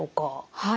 はい。